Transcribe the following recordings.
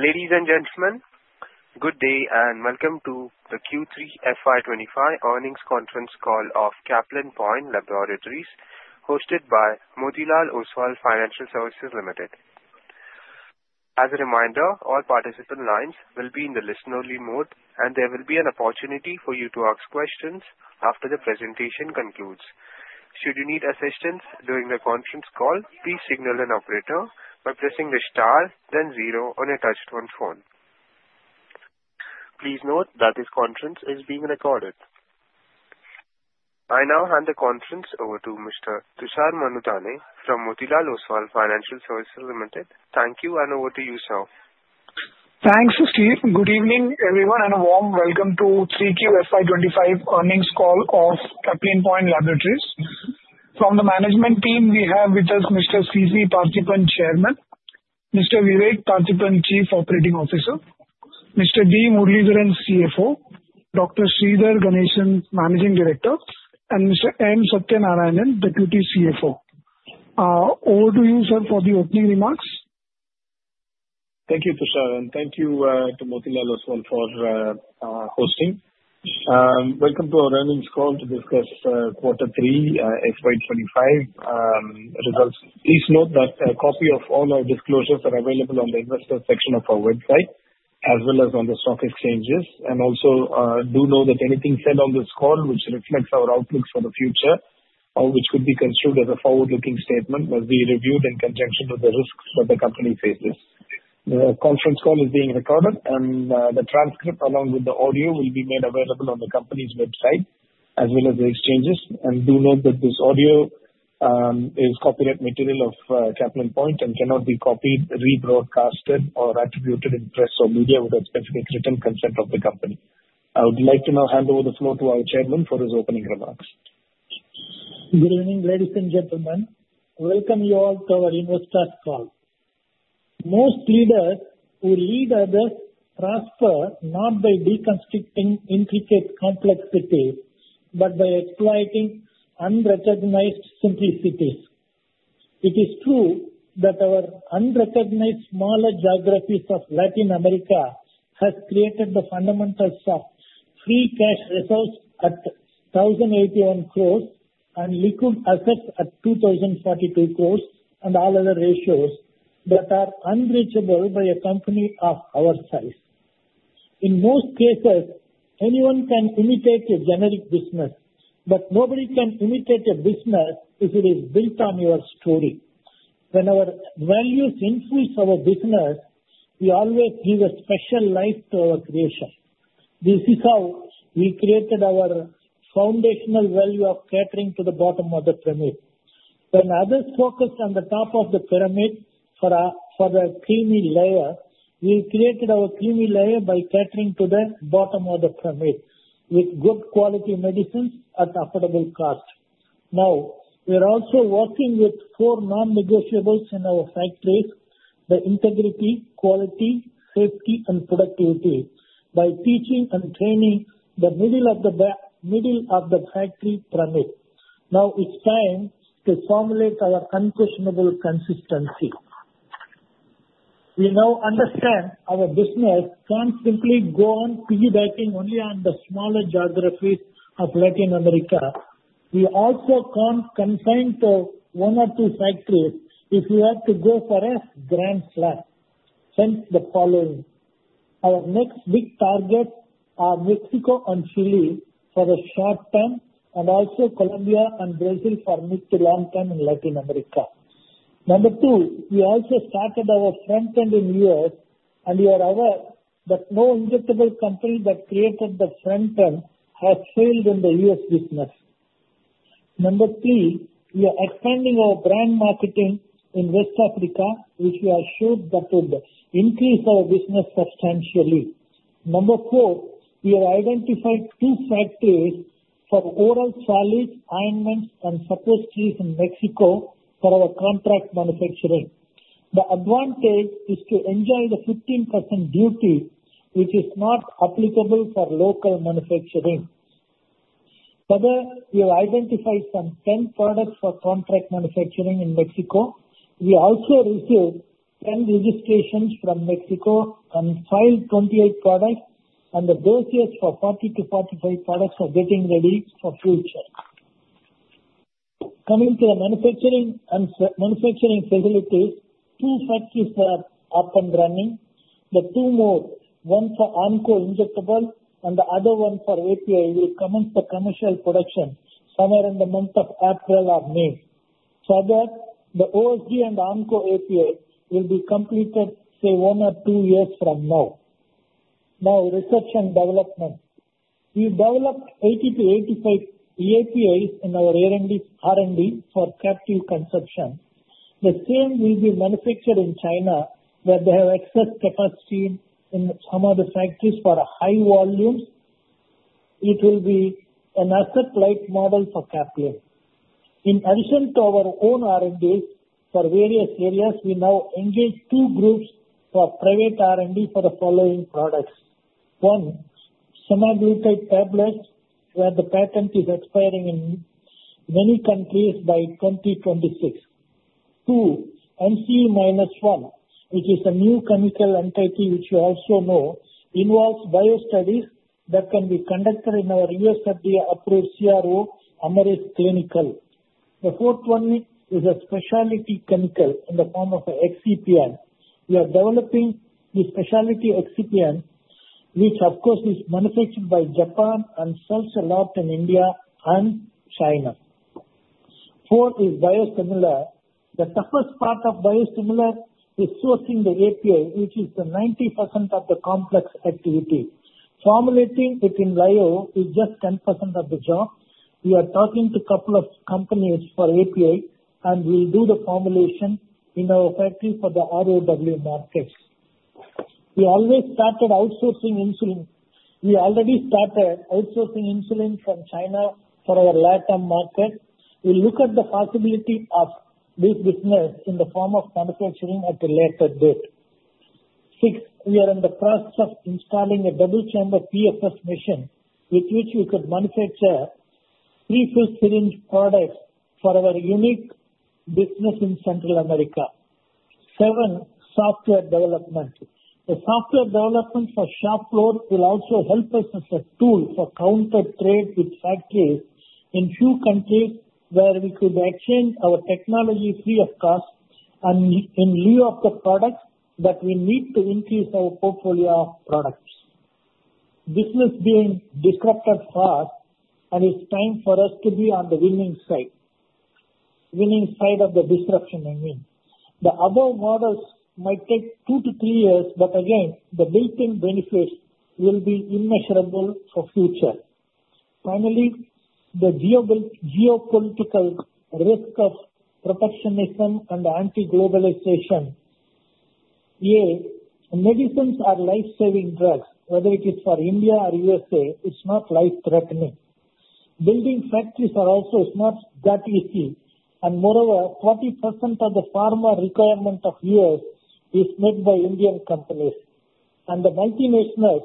Ladies and gentlemen, good day and welcome to the Q3 FY 2025 earnings conference call of Caplin Point Laboratories, hosted by Motilal Oswal Financial Services Limited. As a reminder, all participant lines will be in the listen-only mode, and there will be an opportunity for you to ask questions after the presentation concludes. Should you need assistance during the conference call, please signal an operator by pressing the star, then zero on a touch-tone phone. Please note that this conference is being recorded. I now hand the conference over to Mr. Tushar Manudhane from Motilal Oswal Financial Services Limited. Thank you, and over to you, sir. Thanks, Steve. Good evening, everyone, and a warm welcome to Q3 FY 2025 earnings call of Caplin Point Laboratories. From the management team, we have with U.S. Mr. C.C. Paarthipan, Chairman, Mr. Vivek Partheeban, Chief Operating Officer, Mr. D. Muralidharan, CFO, Dr. Sridhar Ganesan, Managing Director, and Mr. M. Sathya Narayanan, Deputy CFO. Over to you, sir, for the opening remarks. Thank you, Tushar, and thank you to Motilal Oswal for hosting. Welcome to our earnings call to discuss quarter three, FY 2025 results. Please note that a copy of all our disclosures are available on the investor section of our website, as well as on the stock exchanges, and also do know that anything said on this call, which reflects our outlook for the future, or which could be construed as a forward-looking statement, will be reviewed in conjunction with the risks that the company faces. The conference call is being recorded, and the transcript, along with the audio, will be made available on the company's website, as well as the exchanges, and do note that this audio is copyright material of Caplin Point and cannot be copied, rebroadcasted, or attributed in press or media without specific written consent of the company. I would like to now hand over the floor to our Chairman for his opening remarks. Good evening, ladies and gentlemen. Welcome you all to our investor call. Most leaders who lead others transfer not by deconstructing intricate complexities, but by exploiting unrecognized simplicities. It is true that our unrecognized smaller geographies of Latin America have created the fundamentals of free cash results at 1,081 crores and liquid assets at 2,042 crores, and all other ratios that are unreachable by a company of our size. In most cases, anyone can imitate a generic business, but nobody can imitate a business if it is built on your story. When our values influence our business, we always give a special life to our creation. This is how we created our foundational value of catering to the bottom of the pyramid. When others focus on the top of the pyramid for a creamy layer, we created our creamy layer by catering to the bottom of the pyramid with good quality medicines at affordable cost. Now, we are also working with four non-negotiables in our factories, the integrity, quality, safety, and productivity by teaching and training the middle of the factory pyramid. Now it's time to formulate our unquestionable consistency. We now understand our business can't simply go on piggybacking only on the smaller geographies of Latin America. We also can't confine to one or two factories if we have to go for a grand slam. Hence the following. Our next big targets are Mexico and Chile for a short term, and also Colombia and Brazil for a mid to long term in Latin America. Number two, we also started our front end in the U.S., and you are aware that no injectable company that created the front end has failed in the U.S. business. Number three, we are expanding our brand marketing in West Africa, which we are sure that would increase our business substantially. Number four, we have identified two factories for oral solids, ointments, and suppositories in Mexico for our contract manufacturing. The advantage is to enjoy the 15% duty, which is not applicable for local manufacturing. Further, we have identified some 10 products for contract manufacturing in Mexico. We also received 10 registrations from Mexico and filed 28 products, and the dosage for 40-45 products are getting ready for future. Coming to the manufacturing facilities, two factories are up and running. The two more, one for onco injectable and the other one for API, will commence the commercial production somewhere in the month of April or May. Further, the OSD and onco API will be completed, say, one or two years from now. Now, research and development. We developed 80-85 APIs in our R&D for captive consumption. The same will be manufactured in China, where they have excess capacity in some of the factories for high volumes. It will be an asset-light model for Caplin. In addition to our own R&D for various areas, we now engage two groups for private R&D for the following products. One, semaglutide tablets, where the patent is expiring in many countries by 2026. Two, NCE-1, which is a new chemical entity which you also know, involves biostudies that can be conducted in our U.S. FDA-approved CRO, Amaris Clinical. The fourth one is a specialty chemical in the form of an excipient. We are developing the specialty excipient, which, of course, is manufactured by Japan and sells a lot in India and China. Four is biostimulant. The toughest part of biostimulant is sourcing the API, which is 90% of the complex activity. Formulating it in bio is just 10% of the job. We are talking to a couple of companies for API, and we'll do the formulation in our factory for the ROW markets. We always started outsourcing insulin. We already started outsourcing insulin from China for our Latin market. We look at the possibility of this business in the form of manufacturing at a later date. Six, we are in the process of installing a double-chamber PFS machine, with which we could manufacture prefilled syringe products for our unique business in Central America. Seven, software development. The software development for shop floors will also help us as a tool for counter trade with factories in few countries where we could exchange our technology free of cost, and in lieu of the products that we need to increase our portfolio of products. This must be disrupted fast, and it's time for us to be on the winning side. Winning side of the disruption, I mean. The other models might take two to three years, but again, the built-in benefits will be immeasurable for future. Finally, the geopolitical risk of protectionism and anti-globalization. Medicines are life-saving drugs. Whether it is for India or U.S.A., it's not life-threatening. Building factories are also not that easy. And moreover, 40% of the pharma requirement of U.S. is made by Indian companies. The multinationals,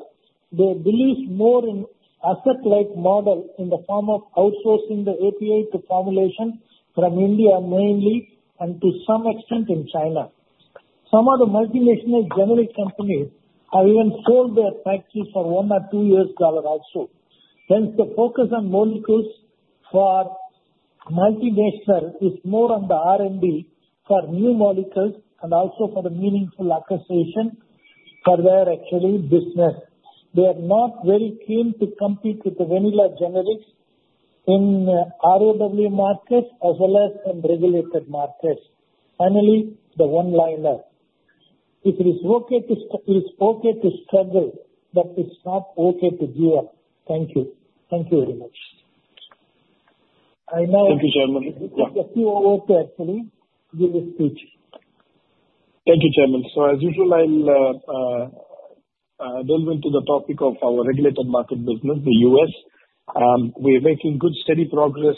they believe more in an asset-light model in the form of outsourcing the API to formulation from India mainly, and to some extent in China. Some of the multinational generic companies have even sold their factories for $1 or $2 also. Hence, the focus on molecules for multinationals is more on the R&D for new molecules and also for the meaningful acquisition for their actual business. They are not very keen to compete with the vanilla generics in ROW markets as well as in regulated markets. Finally, the one-liner. It is okay to struggle, but it's not okay to give. Thank you. Thank you very much. I now. Thank you, Chairman. I'll give the floor over to actually give a speech. Thank you, Chairman. So as usual, I'll delve into the topic of our regulated market business, the U.S. We are making good steady progress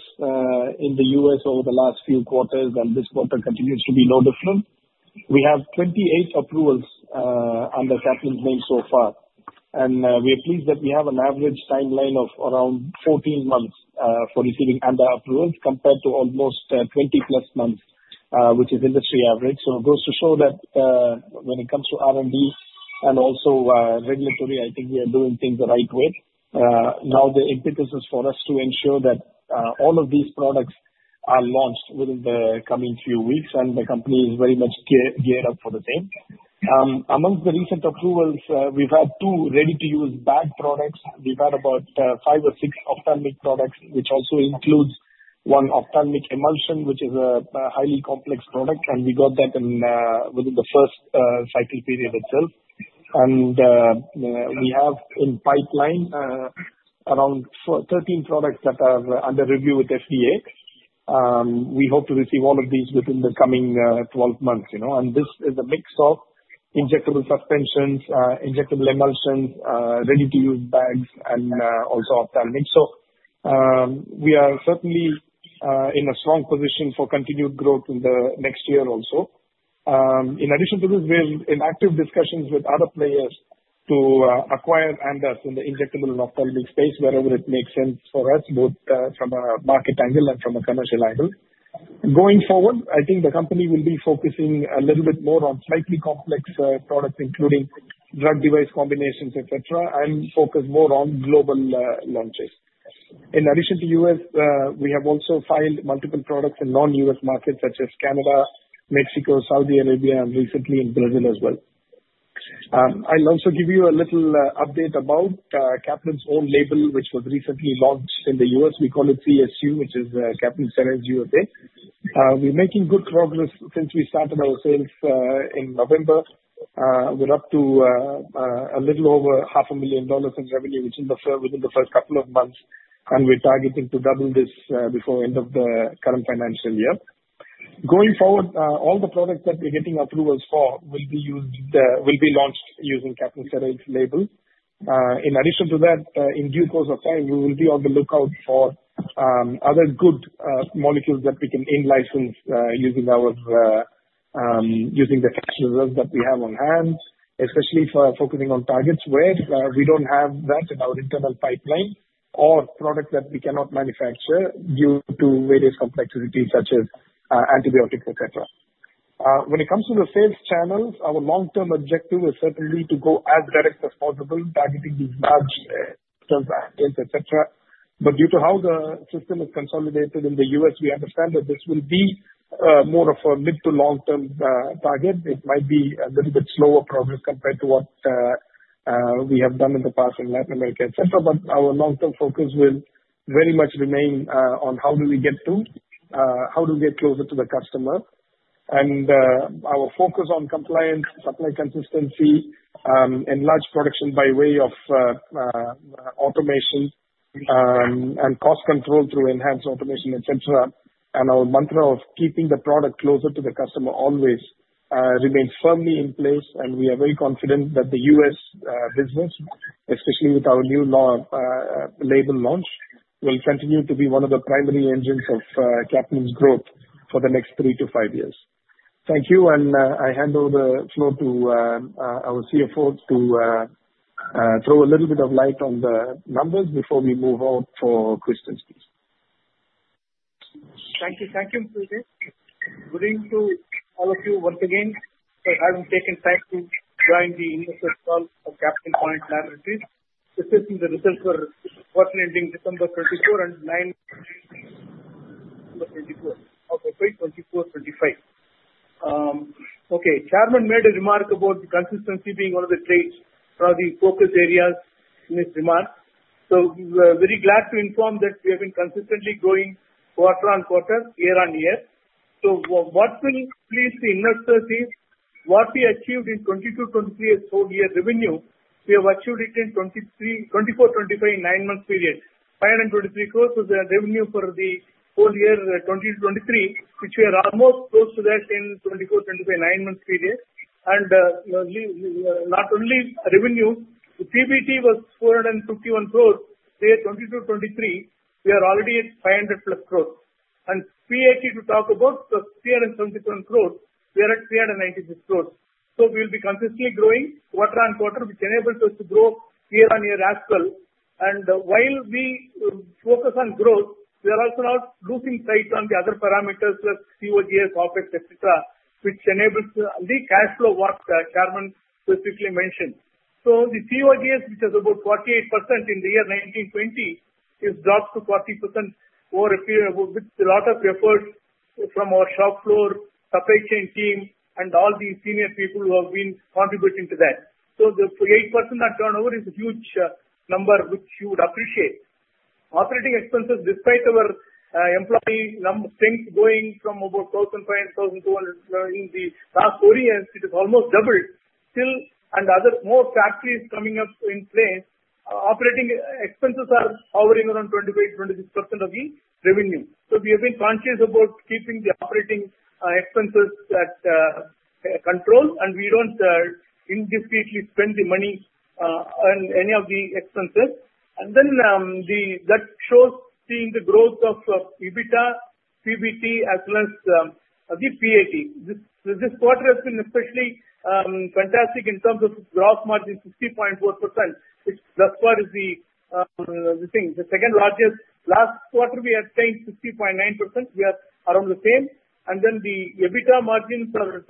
in the U.S. over the last few quarters, and this quarter continues to be no different. We have 28 approvals under Caplin's name so far, and we are pleased that we have an average timeline of around 14 months for receiving our approvals compared to almost 20+ months, which is industry average. So it goes to show that when it comes to R&D and also regulatory, I think we are doing things the right way. Now, the impetus. is for us to ensure that all of these products are launched within the coming few weeks, and the company is very much geared up for the same. Amongst the recent approvals, we've had two ready-to-use bag products. We've had about five or six ophthalmic products, which also includes one ophthalmic emulsion, which is a highly complex product, and we got that within the first cycle period itself. And we have in pipeline around 13 products that are under review with FDA. We hope to receive all of these within the coming 12 months. And this is a mix of injectable suspensions, injectable emulsions, ready-to-use bags, and also ophthalmic. So we are certainly in a strong position for continued growth in the next year also. In addition to this, we're in active discussions with other players to acquire and in the injectable and ophthalmic space, wherever it makes sense for us, both from a market angle and from a commercial angle. Going forward, I think the company will be focusing a little bit more on slightly complex products, including drug device combinations, etc., and focus. more on global launches. In addition to U.S., we have also filed multiple products in non-U.S. markets such as Canada, Mexico, Saudi Arabia, and recently in Brazil as well. I'll also give you a little update about Caplin's own label, which was recently launched in the U.S. We call it CSU, which is Caplin Sales USA. We're making good progress since we started our sales in November. We're up to a little over $500,000 in revenue, which is within the first couple of months, and we're targeting to double this before the end of the current financial year. Going forward, all the products that we're getting approvals for will be launched using Caplin Sales USA label. In addition to that, in due course of time, we will be on the lookout for other good molecules that we can in-license using the test results that we have on hand, especially for focusing on targets where we don't have that in our internal pipeline or products that we cannot manufacture due to various complexities such as antibiotics, etc. When it comes to the sales channels, our long-term objective is certainly to go as direct as possible, targeting these large accounts, etc., but due to how the system is consolidated in the U.S., we understand that this will be more of a mid- to long-term target. It might be a little bit slower progress compared to what we have done in the past in Latin America, etc., but our long-term focus will very much remain on how do we get to, how do we get closer to the customer. Our focus on compliance, supply consistency, enlarged production by way of automation and cost control through enhanced automation, etc., and our mantra of keeping the product closer to the customer always remains firmly in place. We are very confident that the U.S. business, especially with our new label launch, will continue to be one of the primary engines of Caplin's growth for the next three to five years. Thank you, and I hand over the floor to our CFO to throw a little bit of light on the numbers before we move on for questions, please. Thank you. Thank you, Mr. Vivek. Good evening to all of you once again for having taken time to join the initial call of Caplin Point Laboratories. Assessing the results for quarter ending December 2024 and 9, December 2024, okay, 2024, 2025. Okay. Chairman made a remark about the consistency being one of the trade focus areas in his remark. So we're very glad to inform that we have been consistently growing quarter on quarter, year on year. So what will please the investors is what we achieved in 2022, 2023, and whole year revenue. We have achieved it in 2024, 2025, and nine-month period. 523 crores was the revenue for the whole year 2022, 2023, which we are almost close to that in 2024, 2025, nine-month period. And not only revenue, the PBT was 451 crores. Today, 2022, 2023, we are already at 500+ crores. PAT to talk about the 371 crores, we are at 396 crores. So we'll be consistently growing quarter on quarter, which enables U.S. to grow year on year as well. And while we focus on growth, we are also not losing sight on the other parameters like COGS, OPEX, etc., which enables the cash flow work that Chairman specifically mentioned. So the COGS, which is about 48% in the year 2019-2020, is dropped to 40% over a period with a lot of effort from our shop floor, supply chain team, and all the senior people who have been contributing to that. So the 8% turnover is a huge number, which you would appreciate. Operating expenses, despite our employee strength going from about 1,200-1,500 in the last four years, it has almost doubled. Still, and other more factories coming up in place, operating expenses are hovering around 25%-26% of the revenue. So we have been conscious about keeping the operating expenses at control, and we don't indiscreetly spend the money on any of the expenses. And then that shows seeing the growth of EBITDA, PBT, as well as the PAT. This quarter has been especially fantastic in terms of gross margin, 60.4%, which thus far is the thing. The second largest, last quarter, we had tanked 60.9%. We are around the same. And then the EBITDA margins are 33.8%,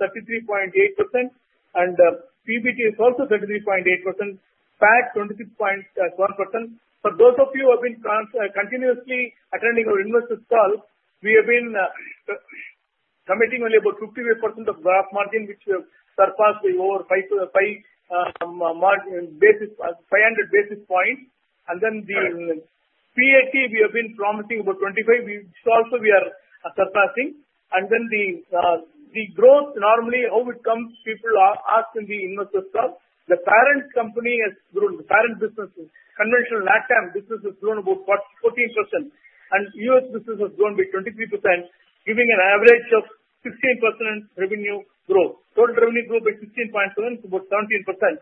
and PBT is also 33.8%, PAT 26.1%. For those of you who have been continuously attending our investors' call, we have been committing only about 58% of gross margin, which we have surpassed by over 500 basis points. Then the PAT, we have been promising about 25, which also we are surpassing. Then the growth, normally, how it comes, people ask in the investor's call. The parent company has grown. The parent business, conventional LATAM business, has grown about 14%. And U.S. business has grown by 23%, giving an average of 16% revenue growth. Total revenue grew by 16.7%, about 17%.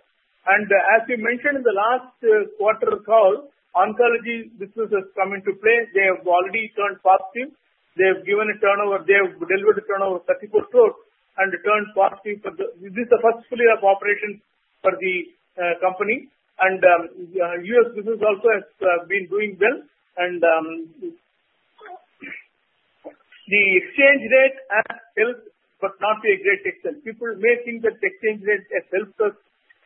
And as we mentioned in the last quarter call, oncology business has come into play. They have already turned positive. They have given a turnover. They have delivered a turnover of 34 crores and returned positive. This is the first full year of operations for the company. And U.S. business also has been doing well. And the exchange rate has helped, but not a great exchange. People may think that exchange rate has helped U.S.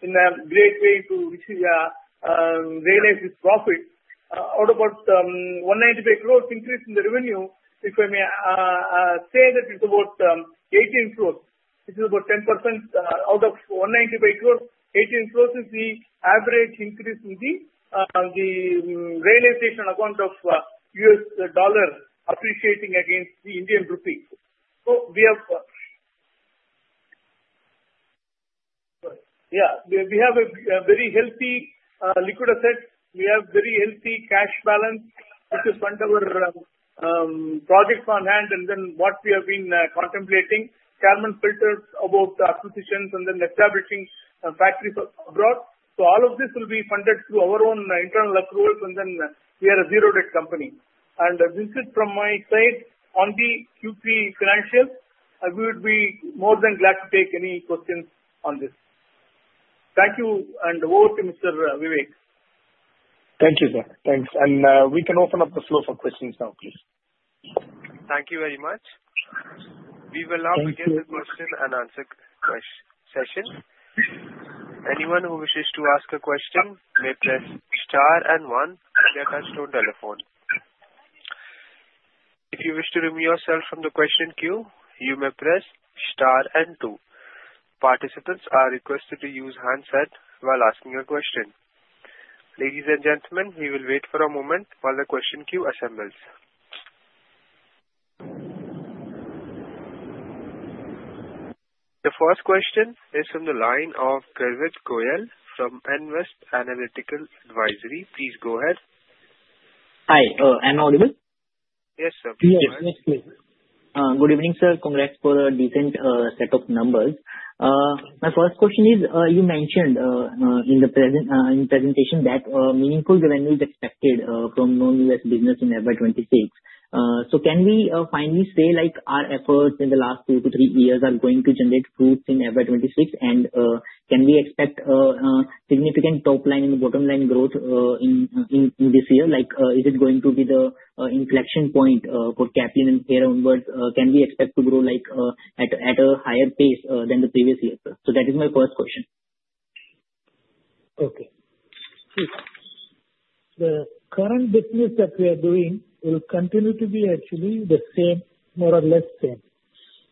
in a great way to realize this profit. Out of about 195 crores increase in the revenue, if I may say that it's about 18 crores. This is about 10% out of 195 crores. 18 crores is the average increase in the realization account of U.S. dollar appreciating against the Indian rupee. So we have, yeah, we have a very healthy liquid asset. We have very healthy cash balance, which is funded our projects on hand. And then what we have been contemplating, the Chairman talked about acquisitions and then establishing factories abroad. So all of this will be funded through our own internal approvals, and then we are a zero debt-free company. And this is from my side on the Q3 financials. We would be more than glad to take any questions on this. Thank you, and over to Mr. Vivek. Thank you, sir. Thanks. And we can open up the floor for questions now, please. Thank you very much. We will now begin the question and answer session. Anyone who wishes to ask a question may press star and one to get a touch-tone telephone. If you wish to remove yourself from the question queue, you may press star and two. Participants are requested to use handset while asking a question. Ladies and gentlemen, we will wait for a moment while the question queue assembles. The first question is from the line of Garvit Goyal from Nvest Analytical Advisory. Please go ahead. Hi. Am I audible? Yes, sir. Yes, yes, please. Good evening, sir. Congrats for a decent set of numbers. My first question is, you mentioned in the presentation that meaningful revenue is expected from non-U.S. business in FY 2026. So can we finally say our efforts in the last two to three years are going to generate fruits in FY 2026? And can we expect significant top-line and bottom-line growth in this year? Is it going to be the inflection point for Caplin and here onwards? Can we expect to grow at a higher pace than the previous year? So that is my first question. Okay. The current business that we are doing will continue to be actually the same, more or less same,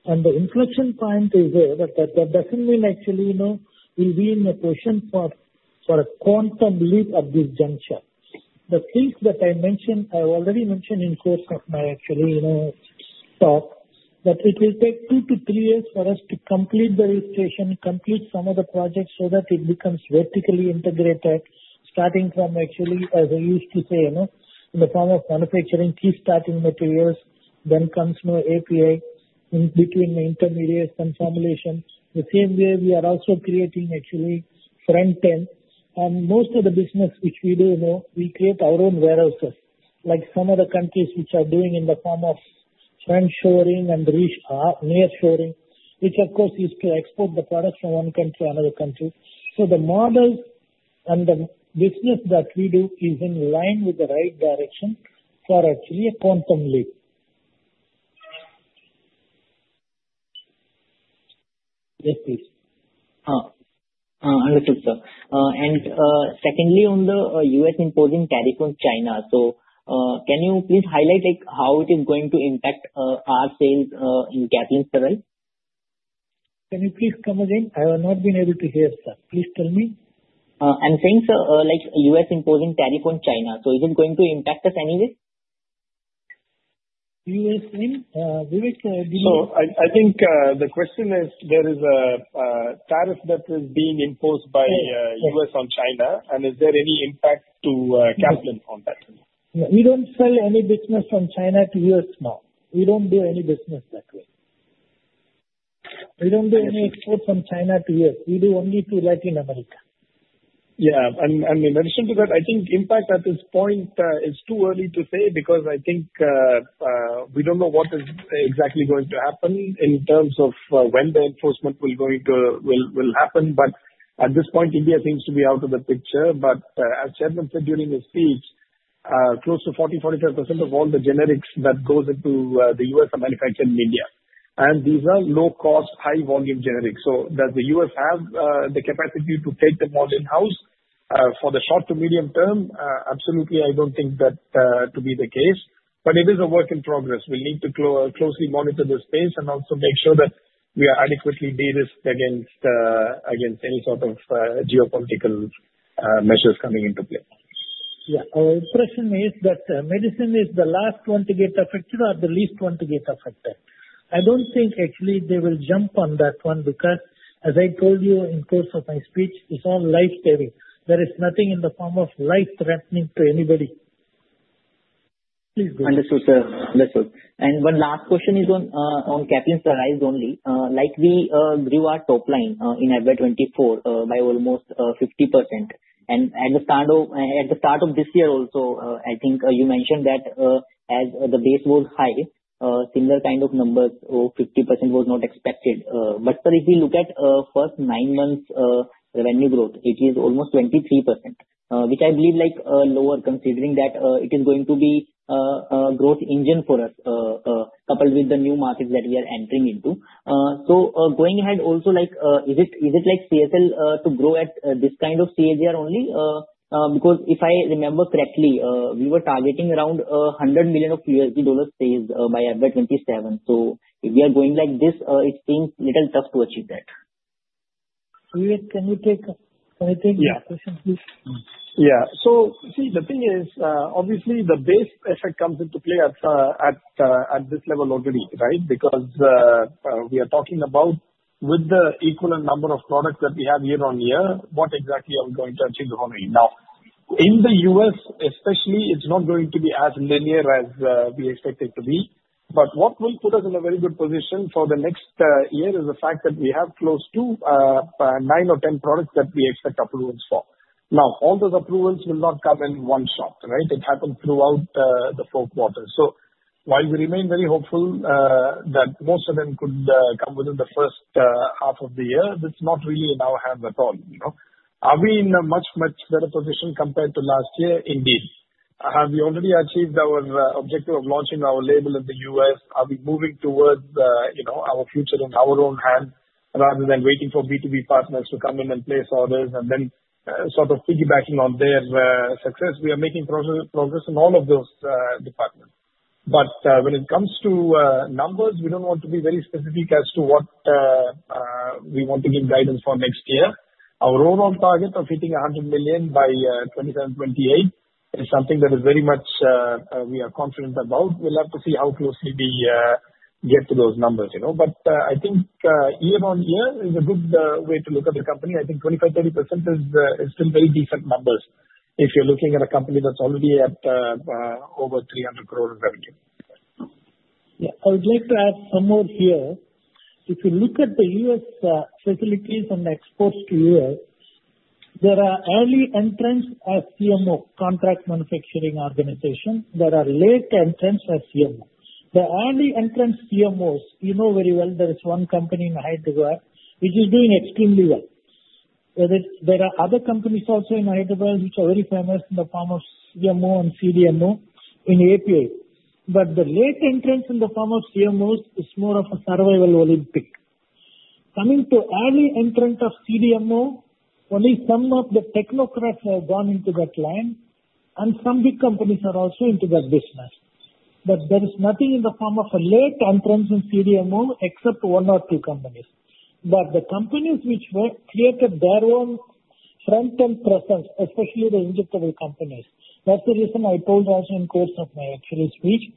and the inflection point is there, but that doesn't mean actually we'll be in a position for a quantum leap at this juncture. The things that I mentioned, I already mentioned in the course of my actually talk, that it will take two to three years for us to complete the registration, complete some of the projects so that it becomes vertically integrated, starting from actually, as I used to say, in the form of manufacturing key starting materials, then comes API in between the intermediary formulation. The same way, we are also creating actually front-end. Most of the business, which we do know, we create our own warehouses, like some of the countries which are doing in the form of friend-shoring and nearshoring, which of course is to export the products from one country to another country. The model and the business that we do is in line with the right direction for actually a quantum leap. Yes, please. Understood, sir. And secondly, on the U.S. imposing tariff on China, so can you please highlight how it is going to impact our sales in Caplin Steriles? Can you please come again? I have not been able to hear, sir. Please tell me. I'm saying, sir, U.S. imposing tariff on China. So is it going to impact us anyway? U.S., Vivek, do you? So I think the question is, there is a tariff that is being imposed by U.S. on China, and is there any impact to Caplin on that? We don't sell any business from China to U.S. now. We don't do any business that way. We don't do any export from China to U.S. We do only to Latin America. Yeah. And in addition to that, I think impact at this point is too early to say because I think we don't know what is exactly going to happen in terms of when the enforcement will happen. But at this point, India seems to be out of the picture. But as Chairman said during his speech, close to 40%-45% of all the generics that goes into the U.S. are manufactured in India. And these are low-cost, high-volume generics. So does the U.S. have the capacity to take them all in-house for the short to medium term? Absolutely, I don't think that to be the case. But it is a work in progress. We'll need to closely monitor the space and also make sure that we are adequately de-risked against any sort of geopolitical measures coming into play. Yeah. Our question is that medicine is the last one to get affected or the least one to get affected? I don't think actually they will jump on that one because, as I told you in the course of my speech, it's all life-threatening. There is nothing in the form of life-threatening to anybody. Please go ahead. Understood, sir. Understood. One last question is on Caplin Steriles only. We grew our top-line in FY 2024 by almost 50%. At the start of this year also, I think you mentioned that as the base was high, similar kind of numbers of 50% was not expected. But if we look at first nine months revenue growth, it is almost 23%, which I believe lower considering that it is going to be a growth engine for us coupled with the new markets that we are entering into. Going ahead also, is it like CSL to grow at this kind of CAGR only? Because if I remember correctly, we were targeting around $100 million sales by FY 2027. If we are going like this, it seems a little tough to achieve that. Vivek, can you take anything? Yeah. Question, please. Yeah. So see, the thing is, obviously, the base effect comes into play at this level already, right? Because we are talking about with the equal number of products that we have year on year, what exactly are we going to achieve? Now, in the U.S., especially, it's not going to be as linear as we expected to be. But what will put us in a very good position for the next year is the fact that we have close to nine or 10 products that we expect approvals for. Now, all those approvals will not come in one shot, right? It happens throughout the four quarters. So while we remain very hopeful that most of them could come within the first half of the year, that's not really in our hands at all. Are we in a much, much better position compared to last year? Indeed. Have we already achieved our objective of launching our label in the U.S.? Are we moving towards our future in our own hands rather than waiting for B2B partners to come in and place orders and then sort of piggybacking on their success? We are making progress in all of those departments. But when it comes to numbers, we don't want to be very specific as to what we want to give guidance for next year. Our overall target of hitting $100 million by 2027, 2028 is something that is very much we are confident about. We'll have to see how closely we get to those numbers. But I think year on year is a good way to look at the company. I think 25%-30% is still very decent numbers if you're looking at a company that's already at over 300 crores of revenue. Yeah. I would like to add some more here. If you look at the U.S. facilities and exports to U.S., there are early entrants as CMO, contract manufacturing organization. There are late entrants as CMO. The early entrant CMOs, you know very well, there is one company in Hyderabad which is doing extremely well. There are other companies also in Hyderabad which are very famous in the form of CMO and CDMO in API. But the late entrants in the form of CMOs is more of a survival Olympics. Coming to early entrant of CDMO, only some of the technocrats have gone into that line, and some big companies are also into that business. But there is nothing in the form of late entrants in CDMO except one or two companies. But the companies which created their own front-end presence, especially the injectable companies, that's the reason I told also in the course of my actual speech.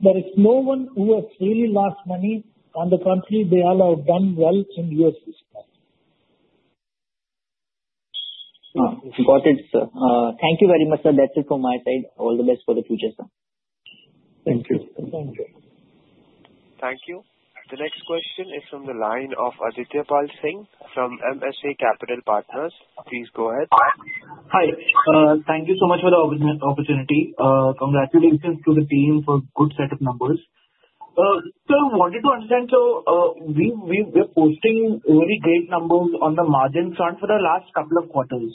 There is no one who has really lost money on the country. They all have done well in U.S. business. Got it, sir. Thank you very much, sir. That's it from my side. All the best for the future, sir. Thank you. Thank you. Thank you. The next question is from the line of Aditya Pal Singh from MSA Capital Partners. Please go ahead. Hi. Thank you so much for the opportunity. Congratulations to the team for good set of numbers. Sir, I wanted to understand. So we are posting really great numbers on the margin front for the last couple of quarters.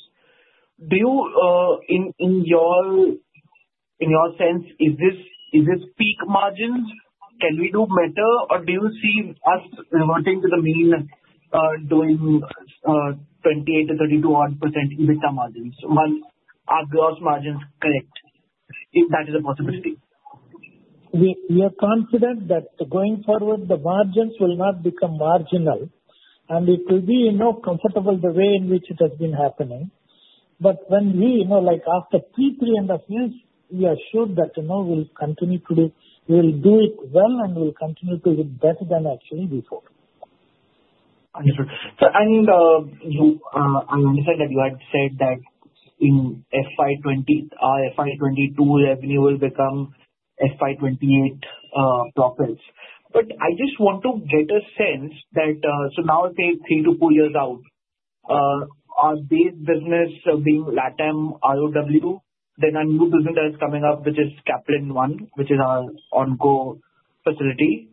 In your sense, is this peak margins? Can we do better, or do you see us reverting to the mean doing 28-32% odd EBITDA margins? Are gross margins correct if that is a possibility? We are confident that going forward, the margins will not become marginal, and it will be comfortable the way in which it has been happening. But when we, after two, three and a half years, we are sure that we'll continue to do it well and we'll continue to do better than actually before. Understood. Sir, I understand that you had said that in FY 2022, revenue will become FY 2028 profiles. But I just want to get a sense that so now, say, three to four years out, are these businesses being LatAm, ROW, then a new business that is coming up, which is Caplin One, which is an onco facility,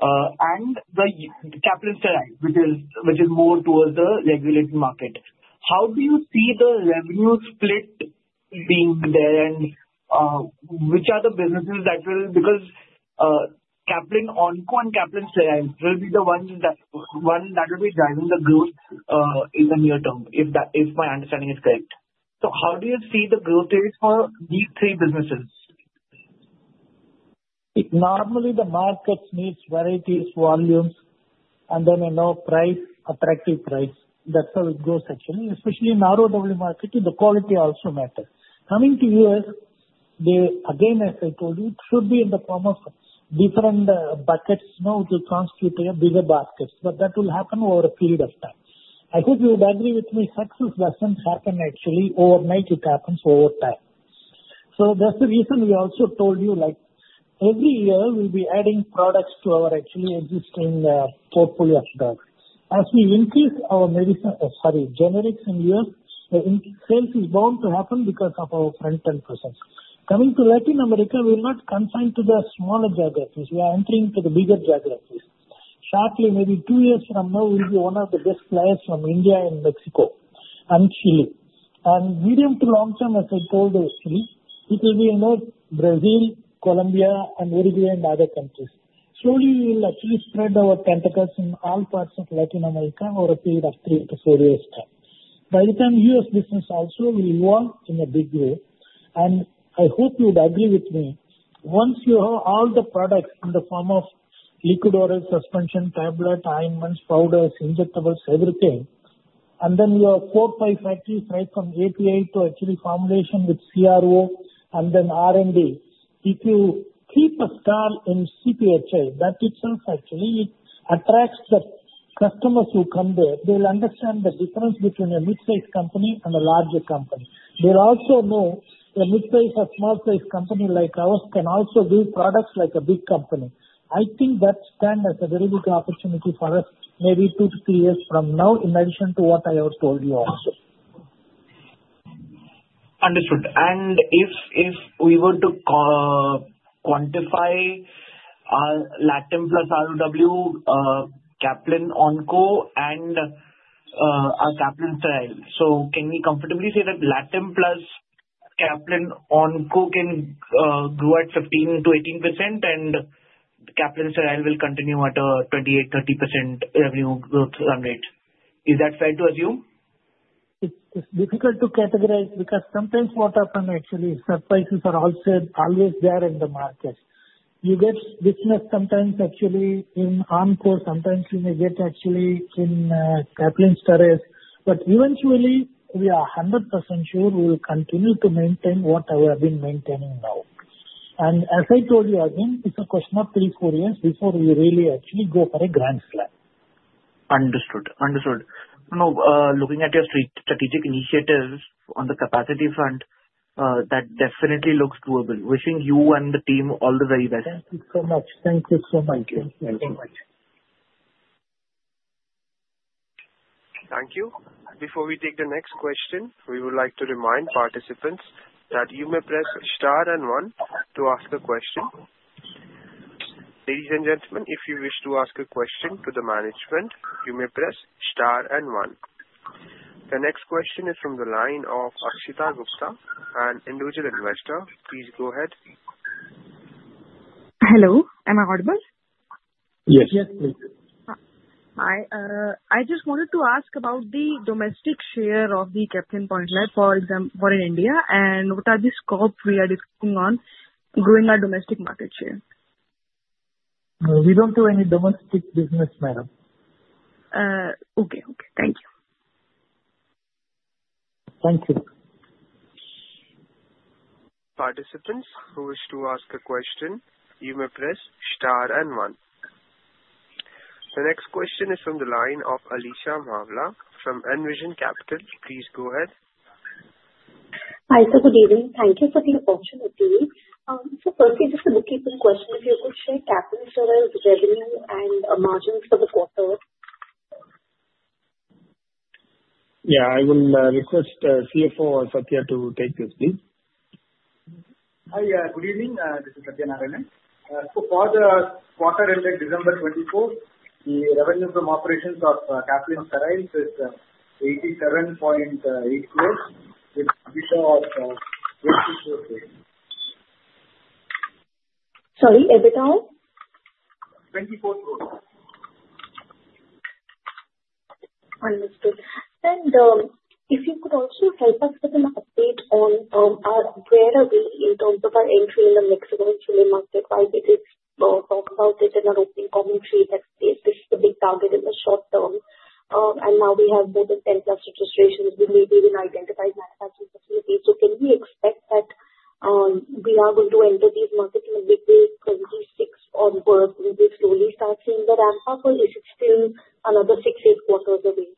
and Caplin Steriles, which is more towards the regulated market. How do you see the revenue split being there, and which are the businesses that will because Caplin Onco and Caplin Steriles will be the ones that will be driving the growth in the near term, if my understanding is correct. So how do you see the growth rate for these three businesses? Normally, the market needs varieties, volumes, and then price, attractive price. That's how it goes, actually. Especially in ROW marketing, the quality also matters. Coming to U.S., again, as I told you, it should be in the form of different buckets which will constitute bigger baskets. But that will happen over a period of time. I hope you would agree with me. Success doesn't happen actually overnight. It happens over time. So that's the reason we also told you every year we'll be adding products to our actually existing portfolio of products. As we increase our medicine, sorry, generics in U.S., the sales is bound to happen because of our front-end presence. Coming to Latin America, we're not confined to the smaller geographies. We are entering into the bigger geographies. Shortly, maybe two years from now, we'll be one of the best players from India and Mexico and Chile. Medium to long term, as I told you, it will be Brazil, Colombia, and Uruguay, and other countries. Slowly, we will actually spread our tentacles in all parts of Latin America over a period of three to four years time. By the time U.S. business also will evolve in a big way, and I hope you would agree with me, once you have all the products in the form of liquid oral suspension, tablet, IMs, powders, injectables, everything, and then your four, five factories right from API to actually formulation with CRO and then R&D, if you keep a stall in CPhI, that itself actually attracts the customers who come there. They'll understand the difference between a mid-size company and a larger company. They'll also know the mid-size or small-sized company like ours can also do products like a big company. I think that stands as a very big opportunity for us, maybe two to three years from now, in addition to what I have told you also. Understood. And if we were to quantify LatAm plus ROW, Caplin Onco, and Caplin Steriles, so can we comfortably say that LatAm plus, Caplin Onco can grow at 15%-18%, and Caplin Steriles will continue at a 28%-30% revenue growth rate. Is that fair to assume? It's difficult to categorize because sometimes what happens actually is surprises are always there in the market. You get business sometimes actually in onco, sometimes you may get actually in Caplin Steriles. But eventually, we are 100% sure we will continue to maintain what we have been maintaining now. And as I told you, again, it's a question of three, four years before we really actually go for a grand slam. Understood. Understood. Looking at your strategic initiatives on the capacity front, that definitely looks doable. Wishing you and the team all the very best. Thank you so much. Thank you so much. Thank you. Thank you so much. Thank you. Before we take the next question, we would like to remind participants that you may press star and one to ask a question. Ladies and gentlemen, if you wish to ask a question to the management, you may press star and one. The next question is from the line of Akshita Gupta, an individual investor. Please go ahead. Hello. Am I audible? Yes. Yes, please. Hi. I just wanted to ask about the domestic share of the Caplin Point Lab in India, and what are the scopes we are discussing on growing our domestic market share? We don't do any domestic business, madam. Okay. Okay. Thank you. Thank you. Participants who wish to ask a question, you may press star and one. The next question is from the line of Alisha Mahawla from Envision Capital. Please go ahead. Hi. Good evening. Thank you for the opportunity. Firstly, just a bookkeeping question. If you could share Caplin Steriles' revenue and margins for the quarter. Yeah. I will request CFO Sathya to take this, please. Hi. Good evening. This is Sathya Narayanan. So for the quarter ended December 2024, the revenue from operations of Caplin Steriles is INR 87.8 crores with a share of INR 82 crores. Sorry? 87? 24 crores. Understood. And if you could also help us with an update on where are we in terms of our entry in the Mexico and Chile market while we did talk about it in our opening commentary that this is a big target in the short term. And now we have more than 10+ registrations. We maybe even identified manufacturing facilities. So can we expect that we are going to enter these markets in a big way 2026 onwards? Will we slowly start seeing the ramp-up, or is it still another six, eight quarters away?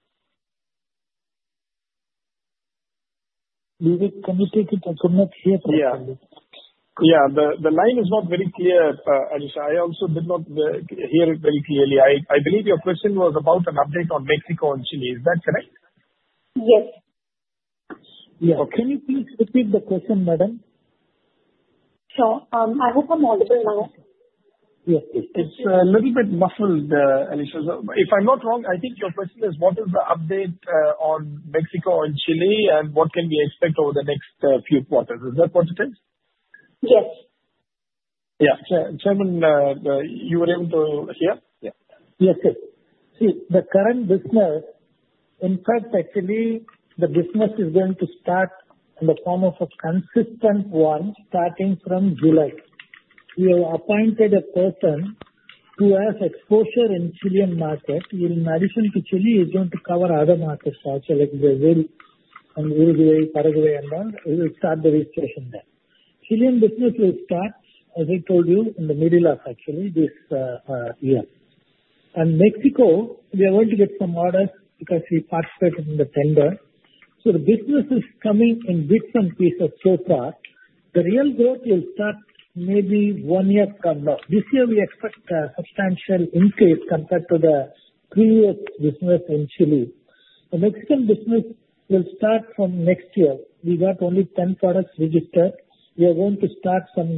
Vivek, can you take it? I could not hear properly. Yeah. Yeah. The line is not very clear, Alisha. I also did not hear it very clearly. I believe your question was about an update on Mexico and Chile. Is that correct? Yes. Yes. Can you please repeat the question, madam? Sure. I hope I'm audible now. Yes, please. It's a little bit muffled, Alisha. If I'm not wrong, I think your question is, what is the update on Mexico and Chile, and what can we expect over the next few quarters? Is that what it is? Yes. Yeah. Chairman, you were able to hear? Yes. Yes, please. See, the current business, in fact, actually, the business is going to start in the form of a consistent one starting from July. We have appointed a person who has exposure in Chilean market. In addition to Chile, he's going to cover other markets also, like Brazil, and Uruguay, Paraguay, and all. He will start the registration there. Chilean business will start, as I told you, in the middle of actually this year. And Mexico, we are going to get some orders because we participated in the tender. So the business is coming in bits and pieces so far. The real growth will start maybe one year from now. This year, we expect a substantial increase compared to the previous business in Chile. The Mexican business will start from next year. We got only 10 products registered. We are going to start some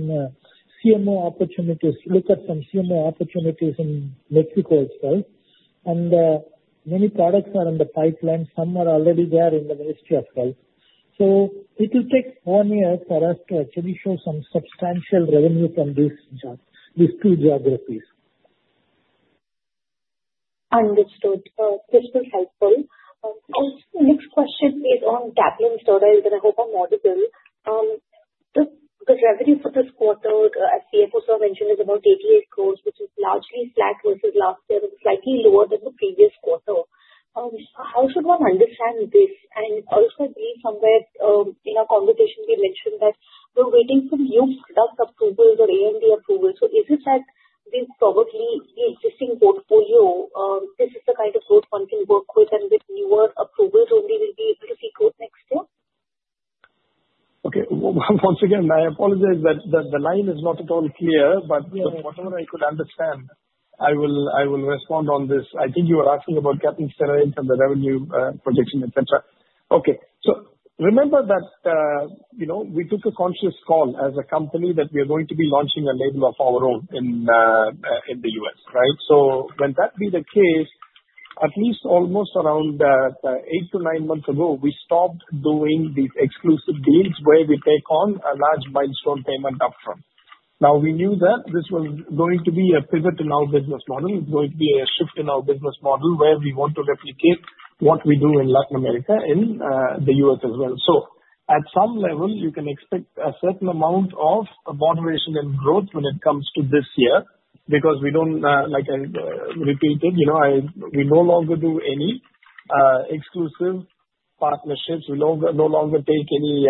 CMO opportunities, look at some CMO opportunities in Mexico itself, and many products are in the pipeline. Some are already there in the market itself, so it will take one year for us to actually show some substantial revenue from these two geographies. Understood. This was helpful. Also, the next question is on Caplin Steriles. I hope I'm audible. The revenue for this quarter, as CFO Sir mentioned, is about 88 crores, which is largely flat versus. last year, slightly lower than the previous quarter. How should one understand this? And also, I believe somewhere in our conversation, we mentioned that we're waiting for new product approvals or ANDA approvals. So is it that we probably the existing portfolio, this is the kind of growth one can work with, and with newer approvals only, we'll be able to see growth next year? Okay. Once again, I apologize that the line is not at all clear, but whatever I could understand, I will respond on this. I think you were asking about Caplin Steriles and the revenue projection, etc. Okay. So remember that we took a conscious call as a company that we are going to be launching a label of our own in the U.S., right? So when that be the case, at least almost around eight to nine months ago, we stopped doing these exclusive deals where we take on a large milestone payment upfront. Now, we knew that this was going to be a pivot in our business model. It's going to be a shift in our business model where we want to replicate what we do in Latin America and the U.S. as well. So at some level, you can expect a certain amount of moderation and growth when it comes to this year because we don't, like I repeated, we no longer do any exclusive partnerships. We no longer take any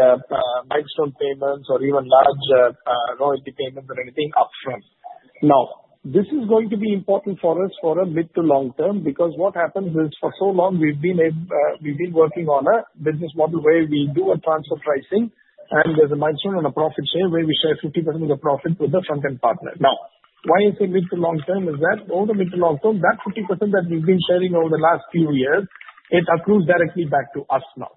milestone payments or even large royalty payments or anything upfront. Now, this is going to be important for us for a mid to long term because what happens is for so long, we've been working on a business model where we do a transfer pricing, and there's a milestone and a profit share where we share 50% of the profit with the front-end partner. Now, why is it mid to long term? That is, over the mid to long term, that 50% that we've been sharing over the last few years, it accrues directly back to us now.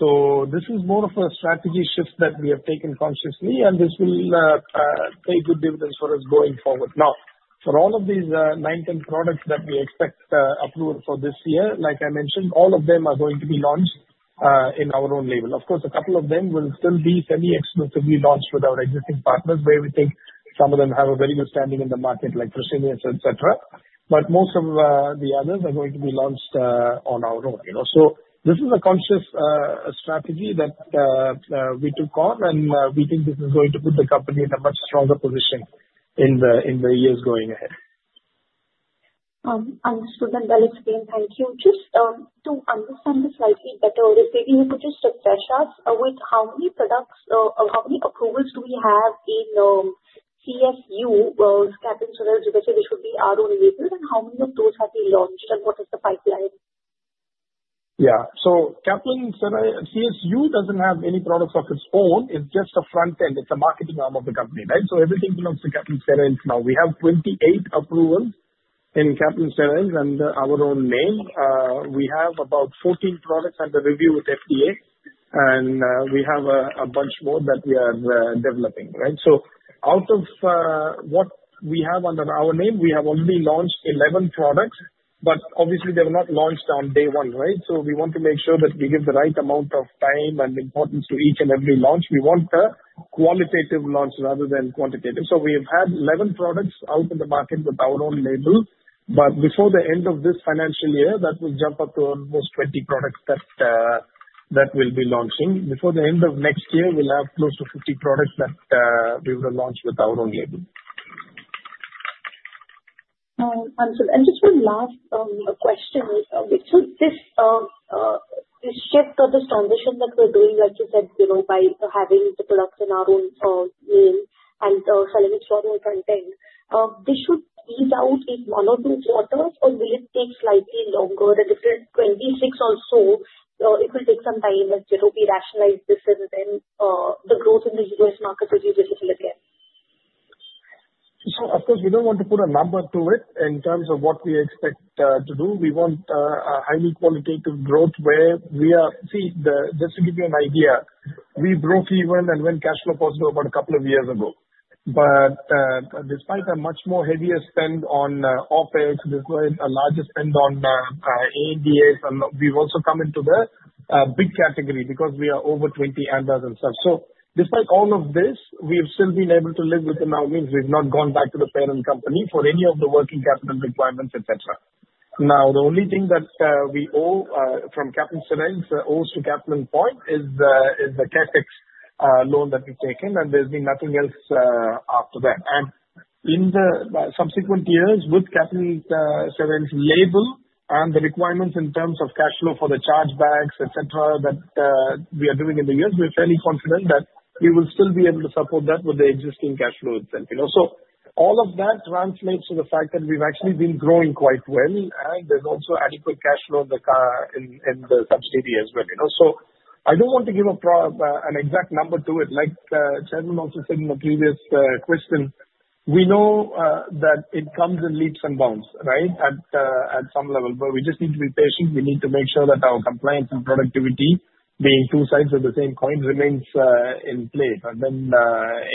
So this is more of a strategy shift that we have taken consciously, and this will pay good dividends for us going forward. Now, for all of these 19 products that we expect approval for this year, like I mentioned, all of them are going to be launched in our own label. Of course, a couple of them will still be semi-exclusively launched with our existing partners where we think some of them have a very good standing in the market, like Fresenius, etc. But most of the others are going to be launched on our own. So this is a conscious strategy that we took on, and we think this is going to put the company in a much stronger position in the years going ahead. Understood. And that is again, thank you. just to understand this slightly better, if maybe you could just refresh us with how many products or how many approvals do we have in CSU, Caplin Steriles, which would be our own label, and how many of those have we launched, and what is the pipeline? Yeah. So Caplin Steriles, CSU doesn't have any products of its own. It's just a front-end. It's a marketing arm of the company, right? So everything belongs to Caplin Steriles now. We have 28 approvals in Caplin Steriles and our own name. We have about 14 products under review with FDA, and we have a bunch more that we are developing, right? So out of what we have under our name, we have only launched 11 products, but obviously, they were not launched on day one, right? So we want to make sure that we give the right amount of time and importance to each and every launch. We want a qualitative launch rather than quantitative. So we have had 11 products out in the market with our own label, but before the end of this financial year, that will jump up to almost 20 products that we'll be launching. Before the end of next year, we'll have close to 50 products that we will launch with our own label. Understood, and just one last question, so this shift or this transition that we're doing, like you said, by having the products in our own name and selling it for our front-end, this should ease out in one or two quarters, or will it take slightly longer? The different 26 or so, it will take some time to rationalize this and then the growth in the U.S. market will be visible again. Of course, we don't want to put a number to it in terms of what we expect to do. We want a highly qualitative growth where we are seeing, just to give you an idea, we broke even and went cash flow positive about a couple of years ago. But despite a much more heavier spend on OPEX, there's a larger spend on ANDAs, and we've also come into the big category because we are over 20 ANDAs stuff. Despite all of this, we have still been able to live within our means. We've not gone back to the parent company for any of the working capital requirements, etc. Now, the only thing that we owe from Caplin Steriles owes to Caplin Point is the CapEx loan that we've taken, and there's been nothing else after that. In the subsequent years with Caplin Steriles' label and the requirements in terms of cash flow for the chargebacks, etc., that we are doing in the U.S., we're fairly confident that we will still be able to support that with the existing cash flow itself. So all of that translates to the fact that we've actually been growing quite well, and there's also adequate cash flow in the subsidiary as well. So I don't want to give an exact number to it. Like Chairman also said in the previous question, we know that it comes in leaps and bounds, right, at some level, but we just need to be patient. We need to make sure that our compliance and productivity, being two sides of the same coin, remains in place. And then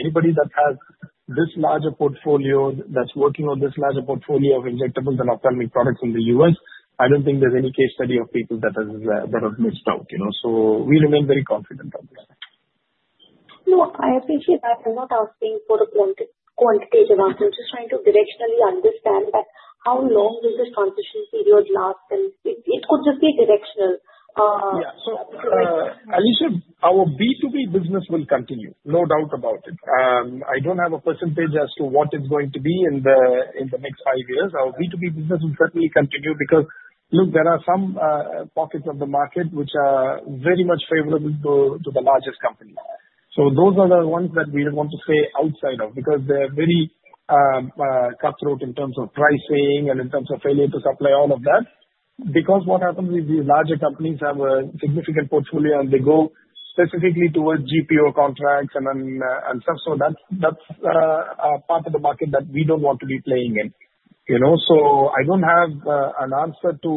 anybody that has this larger portfolio that's working on this larger portfolio of injectables and upcoming products in the U.S., I don't think there's any case study of people that have missed out. So we remain very confident on this. No, I appreciate that. I'm not asking for a quantitative answer. I'm just trying to directionally understand how long will this transition period last, and it could just be directional. Yeah. So Alisha, our B2B business will continue. No doubt about it. I don't have a percentage as to what it's going to be in the next five years. Our B2B business will certainly continue because, look, there are some pockets of the market which are very much favorable to the largest companies. So those are the ones that we don't want to stay outside of because they're very cutthroat in terms of pricing and in terms of failure to supply, all of that. Because what happens is these larger companies have a significant portfolio, and they go specifically towards GPO contracts and stuff. So that's a part of the market that we don't want to be playing in. So I don't have an answer to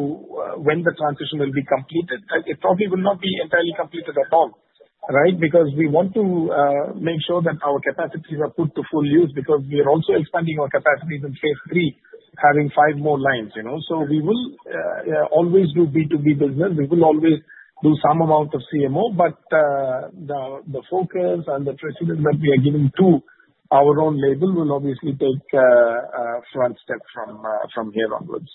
when the transition will be completed. It probably will not be entirely completed at all, right, because we want to make sure that our capacities are put to full use because we are also expanding our capacities in phase III, having five more lines. So we will always do B2B business. We will always do some amount of CMO, but the focus and the precedence that we are giving to our own label will obviously take a front step from here onwards.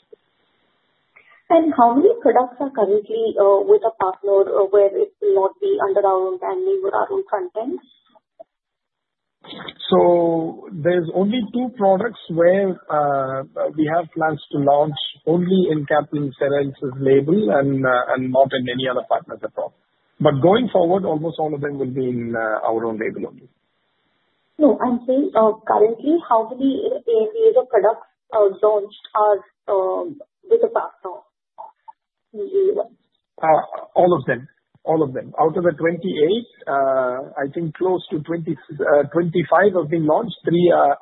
How many products are currently with a partner where it will not be under our own brand name or our own front-end? So there's only two products where we have plans to launch only in Caplin Steriles' label and not in any other partners at all. But going forward, almost all of them will be in our own label only. No, I'm saying currently, how many ANDA products launched are with a partner in the U.S.? All of them. All of them. Out of the 28, I think close to 25 have been launched. Three are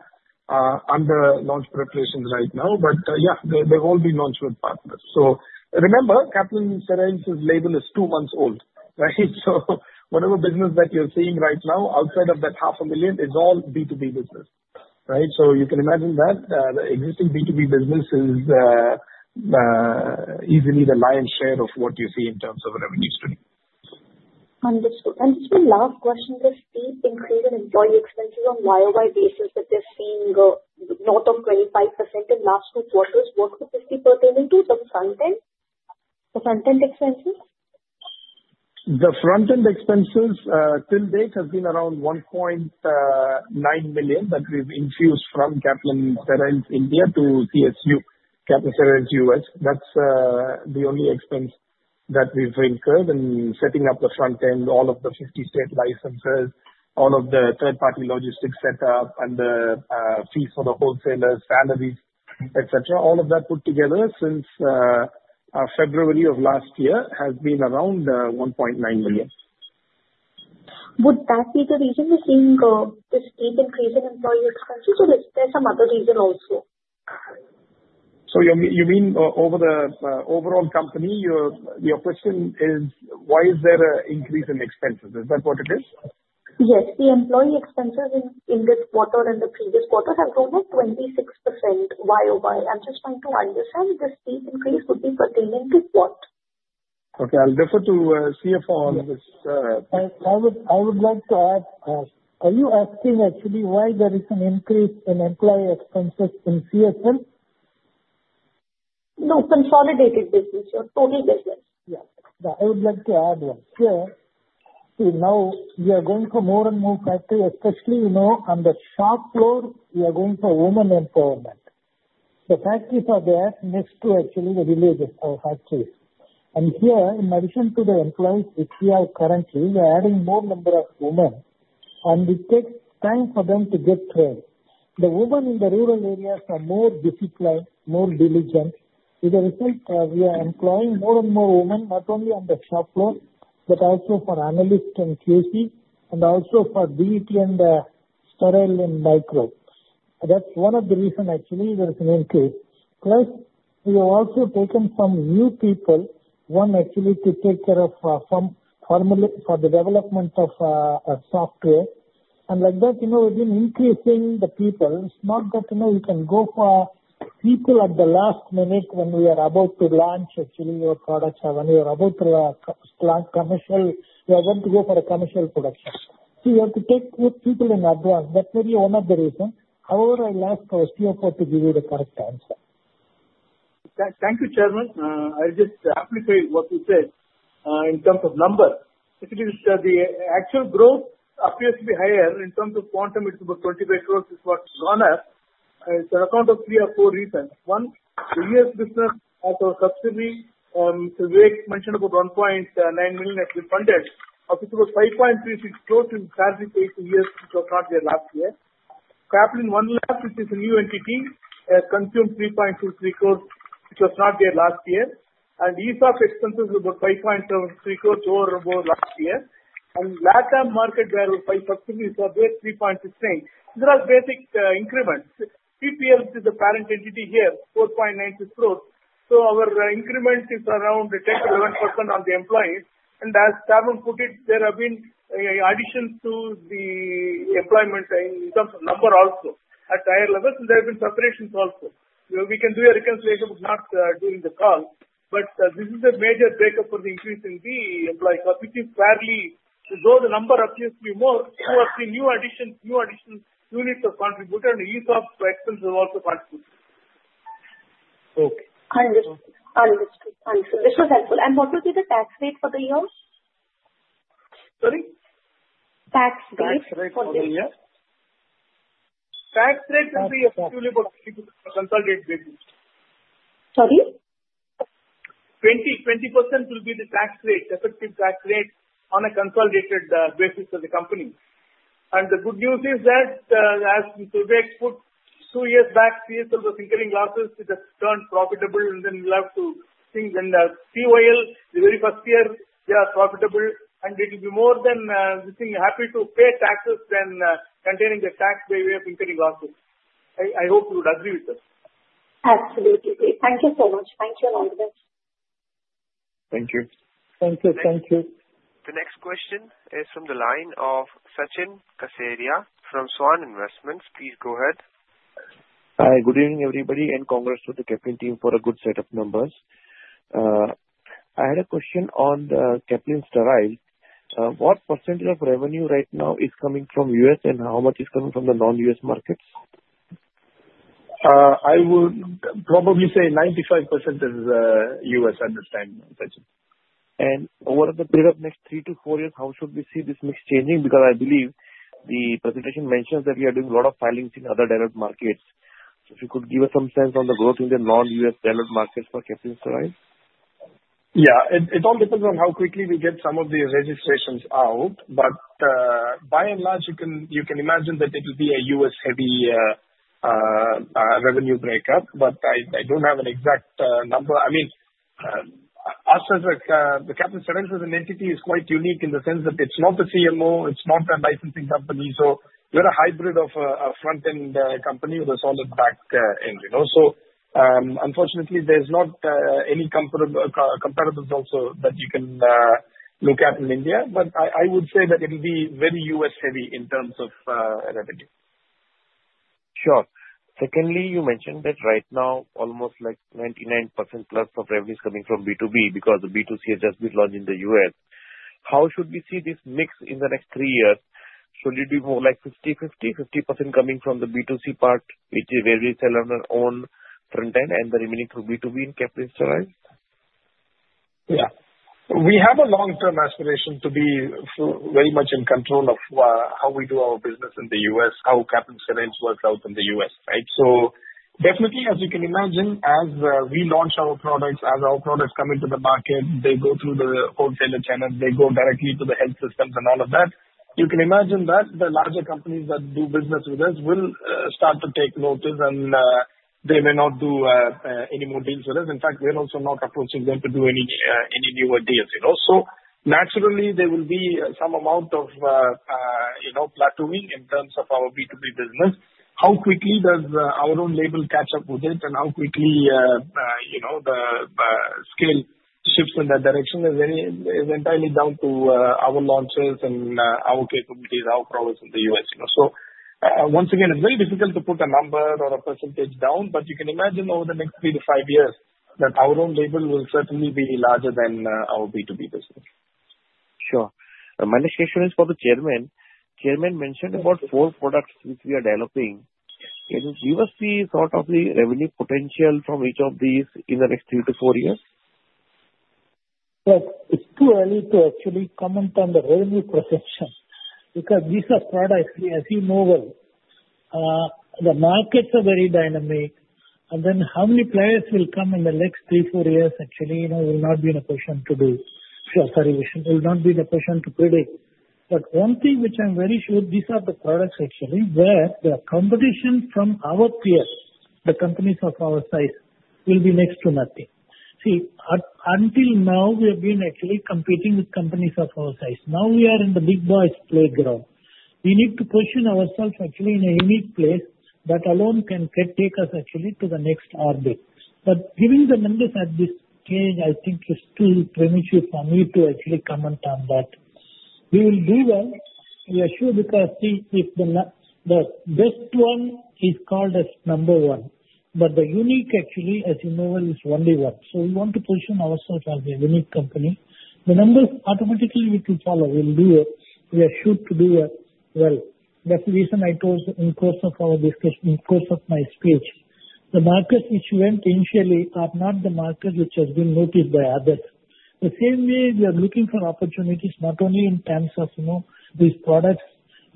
under launch preparations right now, but yeah, they've all been launched with partners. So remember, Caplin Steriles' label is two months old, right? So whatever business that you're seeing right now, outside of that $500,000, is all B2B business, right? So you can imagine that the existing B2B business is easily the lion's share of what you see in terms of revenue stream. Understood. And just one last question. There's been an increase in employee expenses on a year-by-year basis that they're seeing of 25% in the last two quarters. What could this be pertaining to? The front-end? The front-end expenses? The front-end expenses till date have been around $1.9 million that we've infused from Caplin Steriles India to CSU, Caplin Steriles US. That's the only expense that we've incurred in setting up the front-end, all of the 50 state licenses, all of the third-party logistics setup, and the fees for the wholesalers, salaries, etc. All of that put together since February of last year has been around $1.9 million. Would that be the reason you're seeing this steep increase in employee expenses, or is there some other reason also? So you mean over the overall company? Your question is, why is there an increase in expenses? Is that what it is? Yes. The employee expenses in this quarter and the previous quarter have grown at 26% year-over-year. I'm just trying to understand this steep increase would be pertaining to what? Okay. I'll defer to CFO on this. I would like to ask, are you asking actually why there is an increase in employee expenses in CSU? No, consolidated business, your total business. Yeah. I would like to add one here. See, now we are going for more and more factories, especially on the shop floor, we are going for women employment. The factories are there next to actually the villages or factories. And here, in addition to the employees we have currently, we are adding more number of women, and it takes time for them to get trained. The women in the rural areas are more disciplined, more diligent. As a result, we are employing more and more women, not only on the shop floor, but also for analysts and QC, and also for DP and Sterile and Micro. That's one of the reasons actually there's an increase. Plus, we have also taken some new people, one actually to take care of some formula for the development of software. And like that, we've been increasing the people. It's not that you can go for people at the last minute when we are about to launch actually your products or when we are about to go commercial. We are going to go for a commercial production. So you have to take people in advance. That may be one of the reasons. However, I'll ask CFO to give you the correct answer. Thank you, Chairman. I'll just amplify what you said in terms of numbers. Actually, the actual growth appears to be higher. In terms of quantum, it's about 25 crores is what's gone up. It's on account of three or four reasons. One, the U.S. business as our subsidiary, we mentioned about $1.9 million has been funded. Of it, about 5.36 crores in sales in the U.S., which was not there last year. Caplin One, which is a new entity, has consumed 3.23 crores, which was not there last year. And ESOP expenses are about 5.73 crores over last year. And LatAm market, where 5 subsidiaries are there, 3.69. These are basic increments. CPL, which is the parent entity here, 4.96 crores. So our increment is around 10%-11% on the employees. As Chairman put it, there have been additions to the employment in terms of number also at higher levels. There have been separations also. We can do a reconciliation, but not during the call. This is a major breakup for the increase in the employee cost, which is fairly. Though the number appears to be more, we have seen new additions, new additions, units of contributor, and ESOP expenses also contributed. Okay. Understood. This was helpful. What will be the tax rate for the year? Sorry? Tax rate for the year? Tax rate will be a consolidated basis. Sorry? 20% will be the tax rate, effective tax rate on a consolidated basis for the company. And the good news is that, as Mr. Vivek put two years back, CSL was incurring losses, it has turned profitable, and then we'll have to think. And COL, the very first year, they are profitable, and it will be more than happy to pay taxes than containing the tax by way of incurring losses. I hope you would agree with us. Absolutely. Thank you so much. Thank you. Thank you. Thank you. The next question is from the line of Sachin Kasera from Svan Investments. Please go ahead. Hi. Good evening, everybody, and congrats to the Caplin team for a good set of numbers. I had a question on Caplin Steriles. What percentage of revenue right now is coming from U.S., and how much is coming from the non-U.S. markets? I would probably say 95% is U.S., I understand. And over the period of next three to four years, how should we see this mix changing? Because I believe the presentation mentions that we are doing a lot of filings in other developed markets. If you could give us some sense on the growth in the non-U.S. developed markets for Caplin Steriles? Yeah. It all depends on how quickly we get some of the registrations out. But by and large, you can imagine that it will be a U.S.-heavy revenue breakup, but I don't have an exact number. I mean, us as a Caplin Steriles as an entity is quite unique in the sense that it's not a CMO. It's not a licensing company. So we're a hybrid of a front-end company with a solid back end. So unfortunately, there's not any comparables also that you can look at in India, but I would say that it will be very U.S.-heavy in terms of revenue. Sure. Secondly, you mentioned that right now, almost like 99%+ of revenue is coming from B2B because the B2C has just been launched in the U.S. How should we see this mix in the next three years? Should it be more like 50/50, 50% coming from the B2C part, which is where we sell on our own front-end, and the remaining through B2B in Caplin Steriles? Yeah. We have a long-term aspiration to be very much in control of how we do our business in the U.S., how Caplin Steriles works out in the U.S., right? So definitely, as you can imagine, as we launch our products, as our products come into the market, they go through the wholesaler channel, they go directly to the health systems and all of that. You can imagine that the larger companies that do business with us will start to take notice, and they may not do any more deals with us. In fact, we're also not approaching them to do any newer deals. So naturally, there will be some amount of plateauing in terms of our B2B business. How quickly does our own label catch up with it, and how quickly the scale shifts in that direction is entirely down to our launches and our capabilities, our products in the U.S. So once again, it's very difficult to put a number or a percentage down, but you can imagine over the next three to five years that our own label will certainly be larger than our B2B business. Sure. My next question is for the Chairman. Chairman mentioned about four products which we are developing. Can you give us the sort of the revenue potential from each of these in the next three to four years? It's too early to actually comment on the revenue perception because these are products, as you know, the markets are very dynamic, and then how many players will come in the next three, four years actually will not be in a position to do. Sorry, will not be in a position to predict. But one thing which I'm very sure, these are the products actually where the competition from our peers, the companies of our size, will be next to nothing. See, until now, we have been actually competing with companies of our size. Now we are in the big boys' playground. We need to position ourselves actually in a unique place that alone can take us actually to the next orbit. But giving the numbers at this stage, I think, is too premature for me to actually comment on that. We will do well. We are sure because, see, the best one is called as number one, but the unique actually, as you know, is only one. So we want to position ourselves as a unique company. The numbers automatically we can follow. We'll do it. We are sure to do well. That's the reason I told you in course of our discussion, in course of my speech. The markets which went initially are not the markets which have been noticed by others. The same way, we are looking for opportunities not only in terms of these products,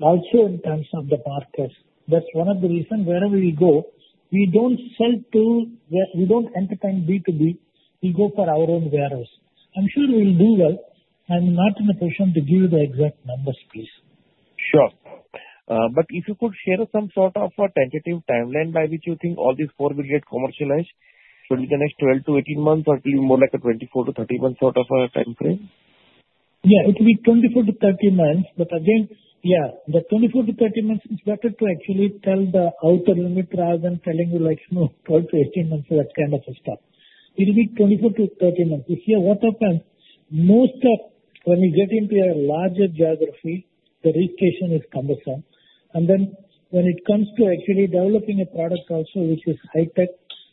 also in terms of the markets. That's one of the reasons wherever we go, we don't sell to, we don't entertain B2B. We go for our own warehouse. I'm sure we'll do well. I'm not in a position to give you the exact numbers, please. Sure. But if you could share some sort of a tentative timeline by which you think all these four will get commercialized, should it be the next 12-18 months, or it will be more like a 24-30 months sort of a timeframe? Yeah. It will be 24-30 months. But again, yeah, the 24-30 months is better to actually tell the outer limit rather than telling you like 12-18 months or that kind of a stuff. It will be 24-30 months. You see what happens? Most of when we get into a larger geography, the registration is cumbersome. And then when it comes to actually developing a product also, which is high-tech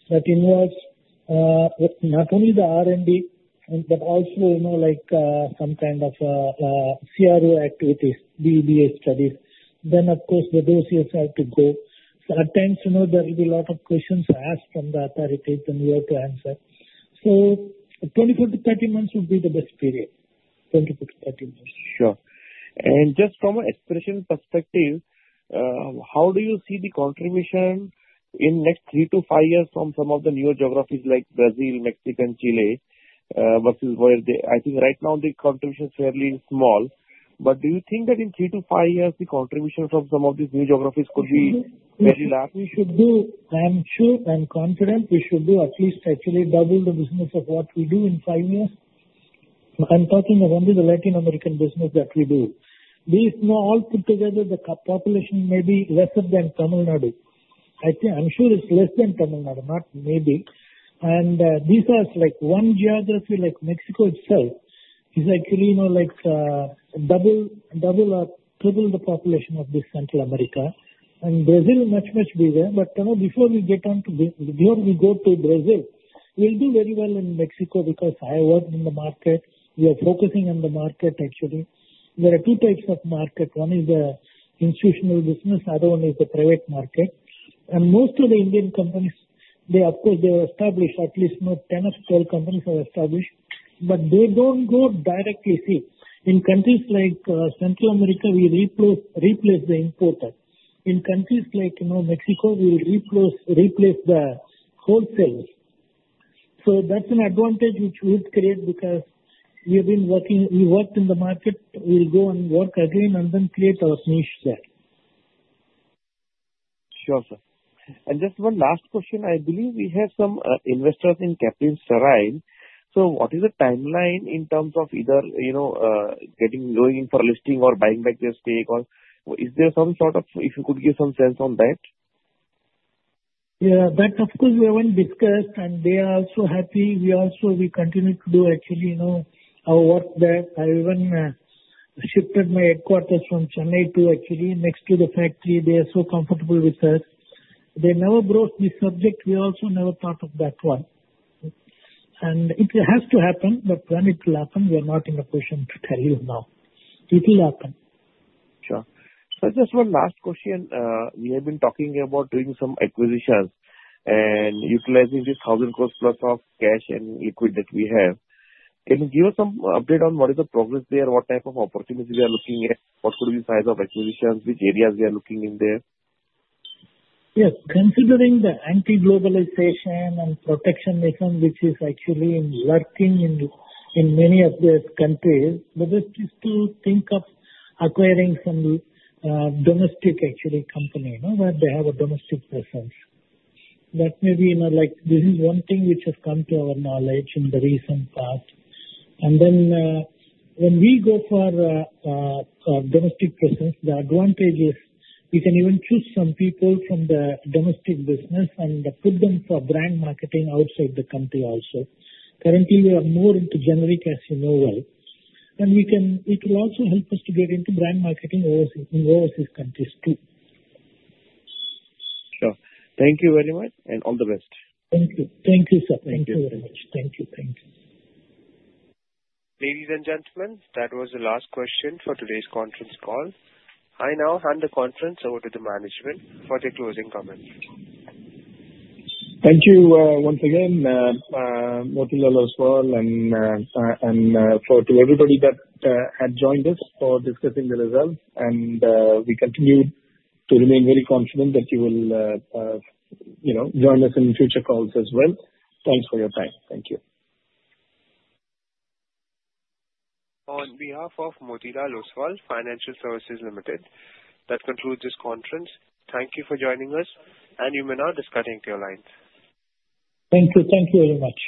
that involves not only the R&D, but also like some kind of CRO activities, BE/BA studies, then of course the dossiers have to go. So at times, there will be a lot of questions asked from the authorities and we have to answer. So 24-30 months would be the best period. 24-30 months. Sure. And just from an expansion perspective, how do you see the contribution in the next three to five years from some of the newer geographies like Brazil, Mexico, and Chile versus where they, I think right now the contribution is fairly small. But do you think that in three to five years, the contribution from some of these new geographies could be very large? I'm sure and confident we should do at least actually double the business of what we do in five years. I'm talking only the Latin American business that we do. These all put together, the population may be lesser than Tamil Nadu. I'm sure it's less than Tamil Nadu, not maybe. And these are like one geography like Mexico itself is actually like double or triple the population of this Central America. And Brazil is much, much bigger. But before we get on to, before we go to Brazil, we'll do very well in Mexico because I work in the market. We are focusing on the market actually. There are two types of market. One is the institutional business. The other one is the private market. And most of the Indian companies, of course, they are established. At least 10 or 12 companies are established. But they don't go directly. See, in countries like Central America, we replace the importer. In countries like Mexico, we replace the wholesalers. So that's an advantage which we've created because we have been working, we worked in the market. We'll go and work again and then create our niche there. Sure, sir. And just one last question. I believe we have some investors in Caplin Steriles. So what is the timeline in terms of either going in for a listing or buying back their stake? Or is there some sort of, if you could give some sense on that? Yeah. That, of course, we haven't discussed, and they are also happy. We continue to do actually our work there. I even shifted my headquarters from Chennai to actually next to the factory. They are so comfortable with us. They never brought this subject. We also never thought of that one, and it has to happen, but when it will happen, we are not in a position to tell you now. It will happen. Sure. So just one last question. We have been talking about doing some acquisitions and utilizing this 1,000+ crores of cash and liquid that we have. Can you give us some update on what is the progress there, what type of opportunities we are looking at, what could be the size of acquisitions, which areas we are looking in there? Yes. Considering the anti-globalization and protectionism, which is actually working in many of the countries, the best is to think of acquiring some domestic actually company where they have a domestic presence. That may be like this is one thing which has come to our knowledge in the recent past, and then when we go for a domestic presence, the advantage is we can even choose some people from the domestic business and put them for brand marketing outside the country also. Currently, we are more into generic, as you know well, and it will also help us to get into brand marketing in overseas countries too. Sure. Thank you very much, and all the best. Thank you. Thank you, sir. Thank you very much. Thank you. Thank you. Ladies and gentlemen, that was the last question for today's conference call. I now hand the conference over to the management for their closing comments. Thank you once again, Motilal as well, and to everybody that had joined us for discussing the results. And we continue to remain very confident that you will join us in future calls as well. Thanks for your time. Thank you. On behalf of Motilal Oswal Financial Services Limited, that concludes this conference. Thank you for joining us., and you may now disconnect your lines. Thank you. Thank you very much.